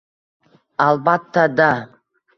— Albatta-da.